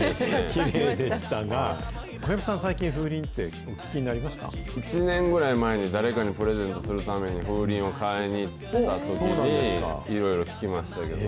きれいでしたが、小籔さん、最近、１年ぐらい前に誰かにプレゼントするために、風鈴を買いに行ったときに、いろいろ聞きましたけど。